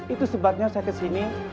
itu sebabnya saya kesini